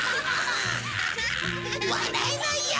笑えないよ。